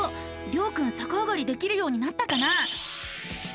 りょうくんさかあがりできるようになったかな？